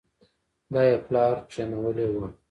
دا يې پلار کېنولې وه.